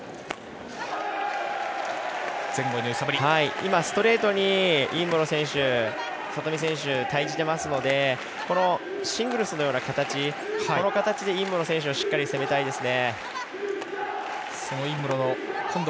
今、ストレートに尹夢ろ選手、里見選手対じしてますのでシングルスのような形この形で尹夢ろ選手をしっかり攻めたいですね。